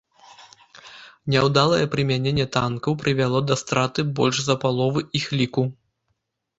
Няўдалае прымяненне танкаў прывяло да страты больш за паловы іх ліку.